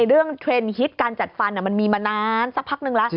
เทรนด์ฮิตการจัดฟันมันมีมานานสักพักนึงแล้ว